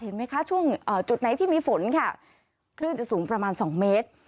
เห็นไหมคะช่วงจุดไหนที่มีฝนค่ะคลื่นจะสูงประมาณ๒เมตร